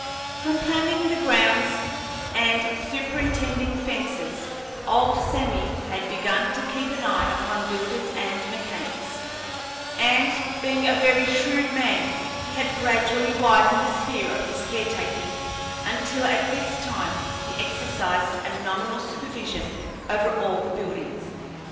From planning the grounds and superintending fences, old Sammy had begun to keep an eye upon builders and mechanics; and, being a very shrewd man, he had gradually widened the sphere of his caretaking, until, at this time, he exercised a nominal supervision over all the buildings.